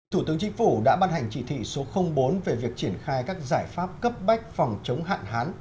thủ tướng chính phủ đã ban hành chỉ thị số bốn về việc triển khai các giải pháp cấp bách phòng chống hạn hán